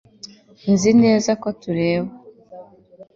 Nzi neza ko tureba